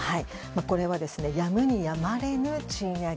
これは、やむにやまれぬ賃上げ。